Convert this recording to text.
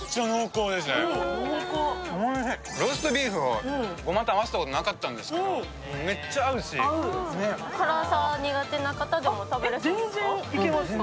ローストビーフとごまと合わせたことなかったんですけど辛さ苦手な方でも食べれそうですか？